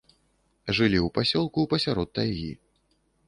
Жылі ў пасёлку, пасярод тайгі.